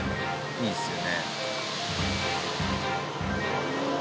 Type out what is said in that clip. いいですよね。